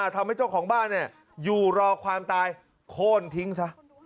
ทำให้เจ้าของบ้านอยู่รอความตายโค้นทิ้งซะ